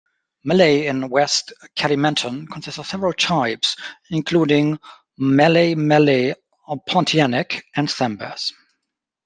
Malay in West Kalimantan consists of several types, including Malay Malay Pontianak and Sambas.